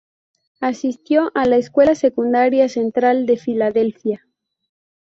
Asistió a la escuela secundaria central de Filadelfia.